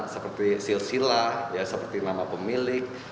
seperti silsila ya seperti nama pemilik